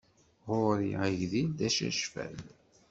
Ɣur-i agdil d acacfal.